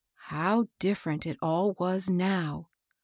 How different it all was now!